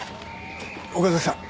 岡崎さん